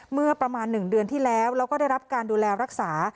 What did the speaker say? เมื่อประมาณ๑เดือนที่แล้วแล้วก็ได้รับการดูแลรักษา